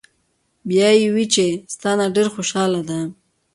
" بیا ئې وې چې " ستا نه ډېره خوشاله ده